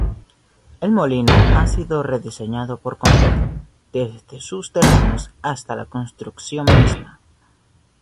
El molino ha sido rediseñado por completo, desde sus terrenos hasta la construcción misma.